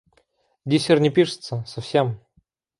Диссер не пишется, совсем.